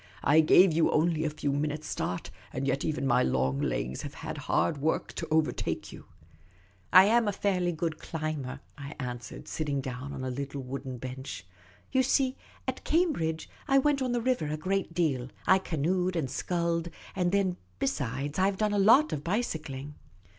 " I gave you only a few minutes' start, and yet even my long legs have had hard work to overtake you. ''" I am a fairly good climber," I answered, sitting down on a little wooden bench. " You see, at Cambridge, I went on the river a great deal — I canoed and sculled ; and then, besides, I 've done a lot of bicycling."